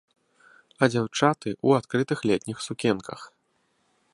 А дзяўчаты ў адкрытых летніх сукенках.